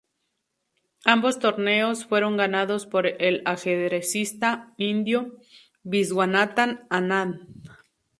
Ambos torneos fueron ganados por el ajedrecista indio Viswanathan Anand.